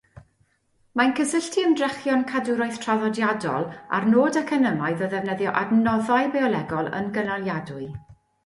Mae'n cysylltu ymdrechion cadwraeth traddodiadol â'r nod economaidd o ddefnyddio adnoddau biolegol yn gynaliadwy.